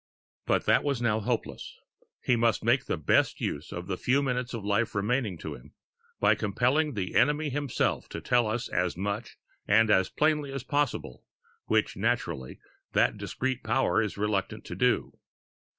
But that is now hopeless; he must make the best use of the few minutes of life remaining to him, by compelling the enemy himself to tell us as much and as plainly as possible which, naturally, that discreet power is reluctant to do.